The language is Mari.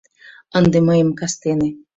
Ынде мыйым кастене